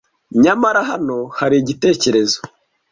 nyamara hano hari igitekerezo